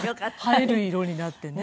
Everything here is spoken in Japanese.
映える色になってね。